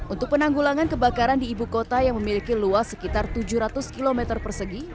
untuk penanggulangan kebakaran di ibu kota yang memiliki luas sekitar tujuh ratus km persegi